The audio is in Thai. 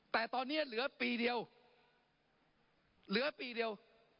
แต่ตอนนี้เหลือปีเดียวเหลือปีเดียว